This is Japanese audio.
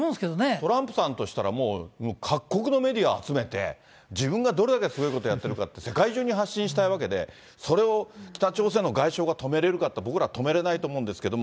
トランプさんとしたら、もう各国のメディアを集めて、自分がどれだけすごいことやってるかって、世界中に発信したいわけで、それを北朝鮮の外相が止めれるかって、僕ら止めれないと思うんですけど。